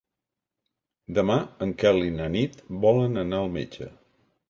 Demà en Quel i na Nit volen anar al metge.